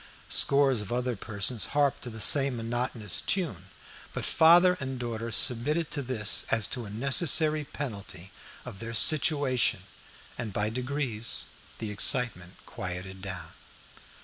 Scores of other persons harped to the same monotonous tune. But father and daughter submitted to this as to a necessary penalty of their situation, and by degrees the excitement quieted down.